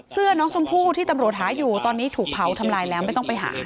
เสื้อน้องชมพู่ที่ตำรวจหาอยู่ตอนนี้ถูกเผาทำลายแล้วไม่ต้องไปหา